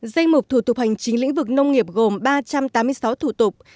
danh mục thủ tục hành chính lĩnh vực nông nghiệp gồm ba trăm tám mươi sáu thủ tục